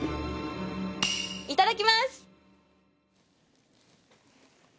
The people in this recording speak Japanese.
いただきます！